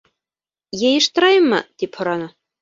— Йыйыштырайыммы? — тип һораны.